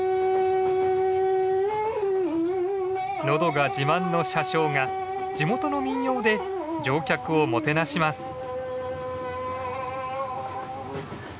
喉が自慢の車掌が地元の民謡で乗客をもてなします。